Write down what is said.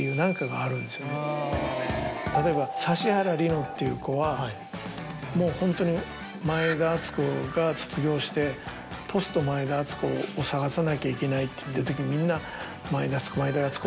例えば指原莉乃っていう子はもうホントに前田敦子が卒業してポスト前田敦子を探さなきゃいけないと言ってるときにみんな「前田敦子前田敦子」っつって。